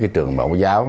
trường bảo giáo